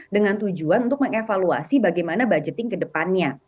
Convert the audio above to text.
dengan tujuan untuk mengevaluasi bagaimana budgeting ke depannya